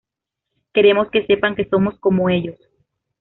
Queremos que sepan que somos como ellos.